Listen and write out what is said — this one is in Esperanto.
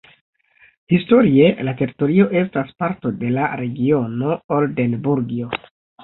Historie la teritorio estas parto de la regiono Oldenburgio.